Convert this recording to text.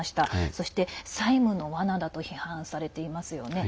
そして、債務のわなだと批判されていますよね。